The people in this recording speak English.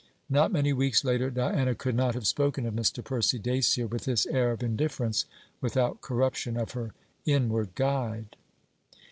Not many weeks later Diana could not have spoken of Mr. Percy Dacier with this air of indifference without corruption of her inward guide.